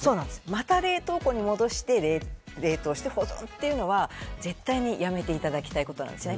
また、冷凍庫に戻して冷凍して保存というのは絶対にやめていただきたいことなんですね。